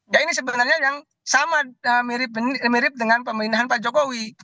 ya ini sebenarnya yang sama mirip dengan pemindahan pak jokowi